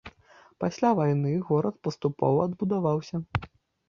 Пасля вайны горад паступова адбудаваўся.